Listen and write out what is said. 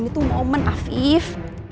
ini tuh momen afif